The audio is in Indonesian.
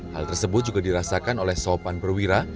hal tersebut juga dirasakan oleh sopan perwira